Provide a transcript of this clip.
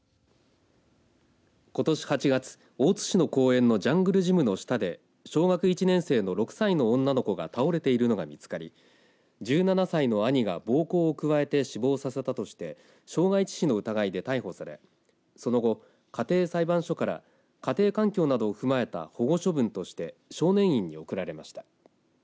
ことし８月、大津市の公園のジャングルジムの下で小学１年生の６歳の女の子が倒れているのが見つかり１７歳の兄が暴行をくわえて死亡させたとして傷害致死の疑いで逮捕されその後、家庭裁判所から家庭環境などを踏まえた保護処分として少年院に送られました。